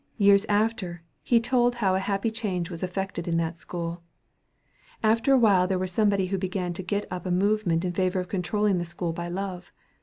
Years after, he told how a happy change was effected in that school. "After a while there was somebody who began to get up a movement in favor of controlling the school by love.